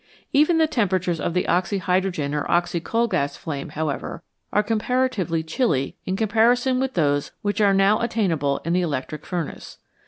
Even the temperatures of the oxyhydrogen or oxy coal gas flame, however, are comparatively chilly in comparison with those which are now attainable in the electric furnace.